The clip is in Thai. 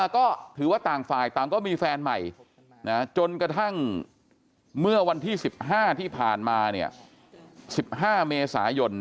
ก็ถือว่าต่างฝ่ายต่างก็มีแฟนใหม่จนกระทั่งเมื่อวันที่๑๕ที่ผ่านมา๑๕เมษายน